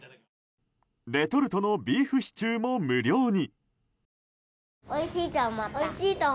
レトルトのビーフシチューも無料に。